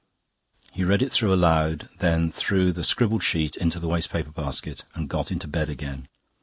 He read it through aloud; then threw the scribbled sheet into the waste paper basket and got into bed again.